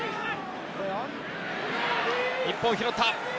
日本拾った。